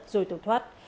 rồi tổn thoát